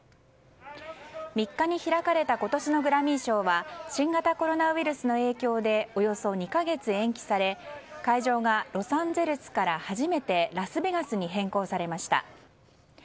３日に開かれた今年のグラミー賞は新型コロナウイルスの影響でおよそ２か月延期され会場がロサンゼルスから初めてラスベガスに変更されました。